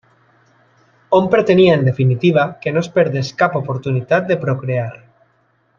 Hom pretenia, en definitiva, que no es perdés cap oportunitat de procrear.